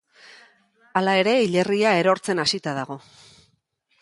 Hala ere hilerria erortzen hasita dago.